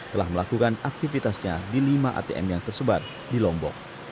telah melakukan aktivitasnya di lima atm yang tersebar di lombok